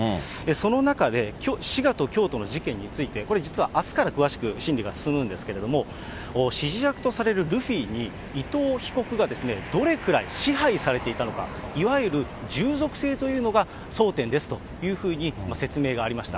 その中で滋賀と京都の事件について、これ、実は、あすから詳しく審理が進むんですけれども、指示役とされるルフィに伊藤被告がどれくらい支配されていたのか、いわゆる従属性というのが争点ですというふうに説明がありました。